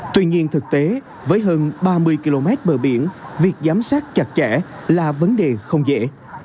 tuy nhiên thực tế với hơn ba mươi km bờ biển việc giám sát chặt chẽ là vấn đề không dễ